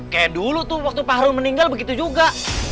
kayak dulu tuh waktu pak harun meninggal begitu juga